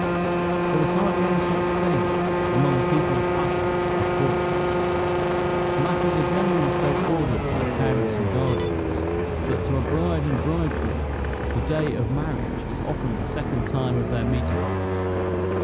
There is hardly any such thing among people of fashion as courtship. Matters are generally so ordered by parents and guardians, that to a bride and bridegroom, the day of marriage is often the second time of their meeting.